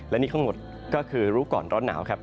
และนี่ทั้งหมดก็คือรู้ก่อนร้อนหนาวครับ